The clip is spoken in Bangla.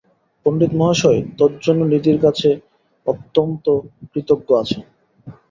পণ্ডিতমহাশয় তজ্জন্য নিধির কাছে অত্যন্ত কৃতজ্ঞ আছেন।